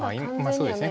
そうですね